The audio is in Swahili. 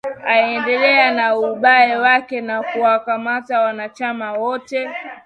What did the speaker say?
aendelea na ubabe wake na kuwakamata wanachama wake